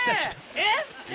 えっ！